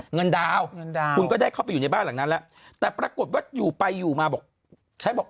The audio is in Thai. เงินดาวคุณก็ได้เข้าไปอยู่ในบ้านหลังนั้นละแต่ปรากฏว่าอยู่ไปอยู่มาบอก